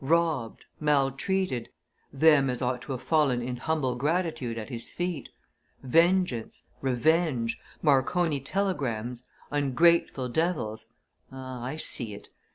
'Robbed' 'maltreated' 'them as ought to have fallen in humble gratitude at his feet' 'vengeance' 'revenge' 'Marconi telegrams' 'ungrateful devils' ah, I see it!